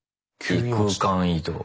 異空間移動。